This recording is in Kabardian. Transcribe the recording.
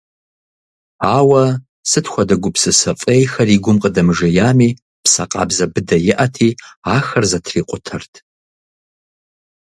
Ауэ сыт хуэдэ гупсысэ фӏейхэр и гум къыдэмыжеями, псэ къабзэ быдэ иӏэти, ахэр зэтрикъутэрт.